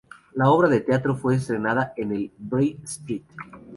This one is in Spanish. La obra de teatro fue estrenada en el Briar St.